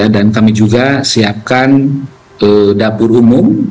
dan kami juga siapkan dapur umum